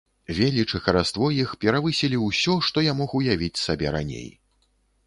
Веліч і хараство іх перавысілі ўсё, што я мог уявіць сабе раней.